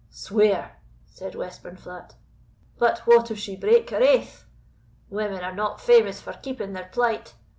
"Swear," said Westburnflat; "but what if she break her aith? Women are not famous for keeping their plight.